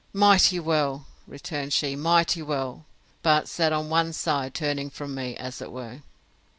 —Mighty well, returned she, mighty well!—But sat on one side, turning from me, as it were.